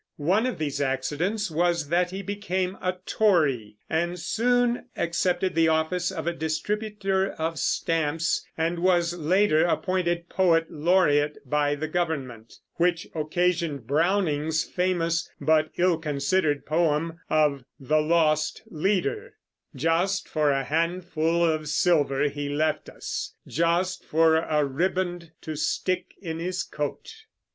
One of these accidents was that he became a Tory, and soon accepted the office of a distributor of stamps, and was later appointed poet laureate by the government, which occasioned Browning's famous but ill considered poem of "The Lost Leader": Just for a handful of silver he left us, Just for a riband to stick in his coat.